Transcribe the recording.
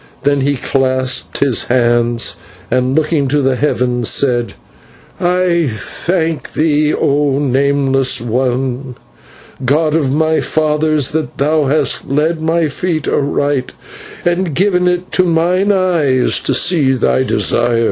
Then he clasped his hands and, looking to the heavens, said: "I thank thee, O Nameless One, god of my fathers, that thou hast led my feet aright, and given it to mine eyes to see their desire.